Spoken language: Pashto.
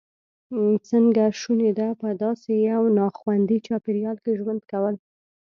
څنګه شونې ده په داسې یو ناخوندي چاپېریال کې ژوند کول.